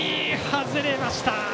外れました。